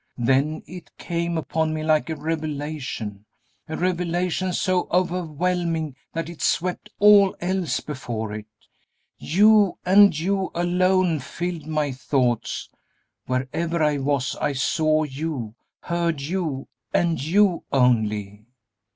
Then it came upon me like a revelation, a revelation so overwhelming that it swept all else before it. You, and you alone, filled my thoughts. Wherever I was, I saw you, heard you, and you only.